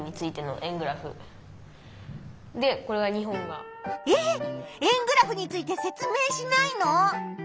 円グラフについて説明しないの？